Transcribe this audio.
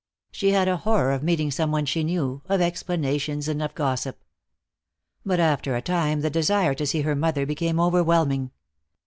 She had a horror of meeting some one she knew, of explanations and of gossip. But after a time the desire to see her mother became overwhelming.